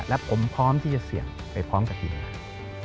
และผมพร้อมที่จะเสียงไปพร้อมกับอีกหนึ่ง